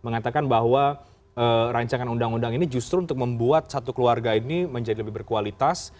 mengatakan bahwa rancangan undang undang ini justru untuk membuat satu keluarga ini menjadi lebih berkualitas